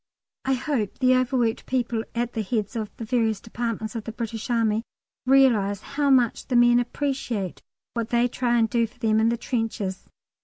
I hope the overworked people at the heads of the various departments of the British Army realise how the men appreciate what they try and do for them in the trenches.